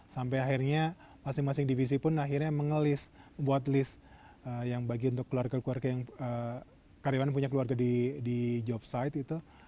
sampai akhirnya masing masing divisi pun akhirnya mengelis buat list yang bagi untuk keluarga keluarga yang karyawan punya keluarga di job site itu